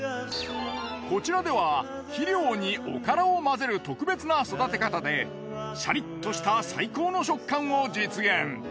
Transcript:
こちらでは肥料におからを混ぜる特別な育て方でシャリッとした最高の食感を実現。